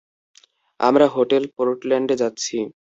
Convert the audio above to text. আমরা হোটেল পোর্টল্যান্ডে যাচ্ছি।